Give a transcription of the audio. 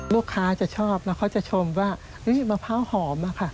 ลูกค้าจะชอบแล้วเขาจะชมว่ามะพร้าวหอมอะค่ะ